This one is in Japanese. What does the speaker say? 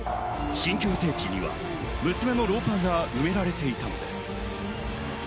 新居予定地には娘のローファーが埋められていたのです。